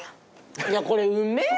いやこれ「うめぇ！」